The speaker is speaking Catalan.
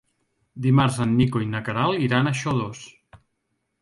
Dimarts en Nico i na Queralt iran a Xodos.